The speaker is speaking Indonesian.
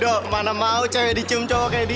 doh mana mau cewek dicium cowok kayak di